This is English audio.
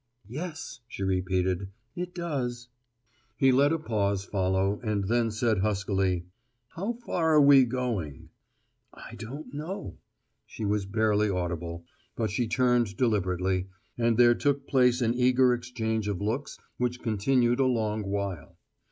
"Yes," she repeated; "it does." He let a pause follow, and then said huskily: "How far are we going?" "I don't know." She was barely audible; but she turned deliberately, and there took place an eager exchange of looks which continued a long while.